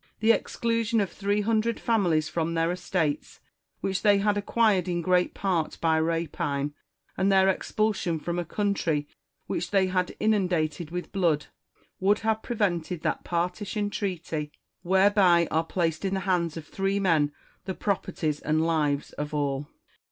The exclusion of three hundred families from their estates, which they had acquired in great part by rapine, and their expulsion from a country which they had inundated with blood, would have prevented that partition treaty, whereby are placed in the hands of three men the properties and lives of all.